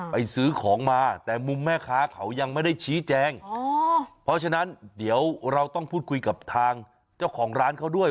ซื้อของมาแต่มุมแม่ค้าเขายังไม่ได้ชี้แจงอ๋อเพราะฉะนั้นเดี๋ยวเราต้องพูดคุยกับทางเจ้าของร้านเขาด้วย